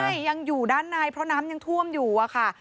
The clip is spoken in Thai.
ใช่ยังอยู่ด้านในเพราะน้ำยังท่วมอยู่อะค่ะ